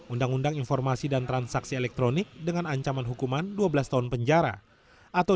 undang undang informasi dan transaksi elektronik dengan ancaman hukuman dua belas tahun penjara atau